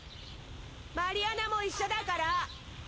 マリアナも一緒だから。